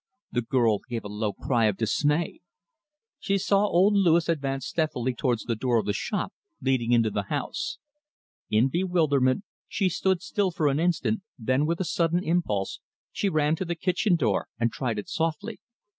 The girl gave a low cry of dismay. She saw old Louis advance stealthily towards the door of the shop leading into the house. In bewilderment, she stood still an instant, then, with a sudden impulse, she ran to the kitchen door and tried it softly.